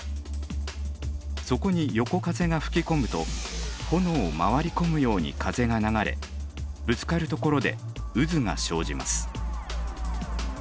そこに横風が吹き込むと炎を回り込むように風が流れぶつかるところで渦が生じます。